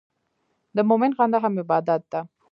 د مؤمن خندا هم عبادت ده.